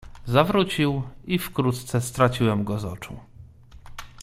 "Zawrócił i wkrótce straciłem go z oczu."